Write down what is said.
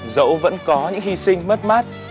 dẫu vẫn có những hy sinh mất mát